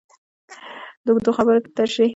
د اوږدو خبرو تشرېح په لنډو خبرو وکړئ.